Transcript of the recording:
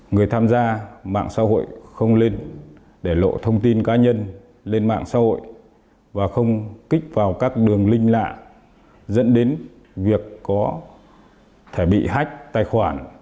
người tham gia mạng xã hội không lên để lộ thông tin cá nhân lên mạng xã hội và không kích vào các đường linh lạ dẫn đến việc có thể bị hách tài khoản